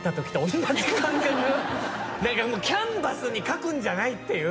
キャンバスに描くんじゃないっていう。